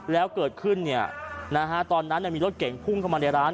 แล้วเกิดขึ้นตอนนั้นมีรถเก่งพุ่งเข้ามาในร้าน